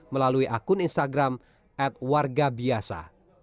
melalui akun instagram at warga biasa